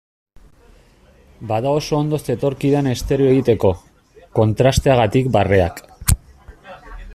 Bada oso ondo zetorkidan estereo egiteko, kontrasteagatik barreak.